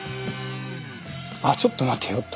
あちょっと待てよと。